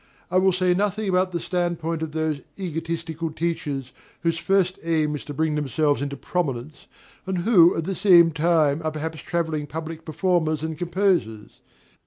I will say nothing about the stand point of those egotistical teachers whose first aim is to bring themselves into prominence, and who at the same time are perhaps travelling public performers and composers.